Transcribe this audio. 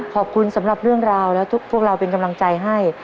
ขอบคุณสำหรับเรื่องราวและพวกเราเป็นกำลังใจให้